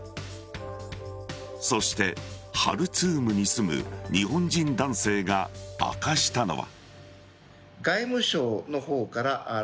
そして、ハルツームに住む日本人男性が明かしたのは。